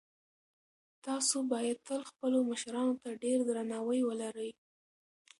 تاسو باید تل خپلو مشرانو ته ډېر درناوی ولرئ.